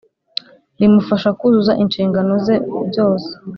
Rimufasha kuzuza inshingano ze byose